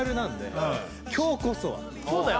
そうだよ・